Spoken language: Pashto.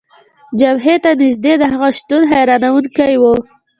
جبهې ته نژدې د هغه شتون، حیرانونکی و.